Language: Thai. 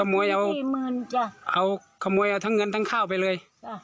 มันขโมยเอาทั้งเงินทั้งข้าวไปเลย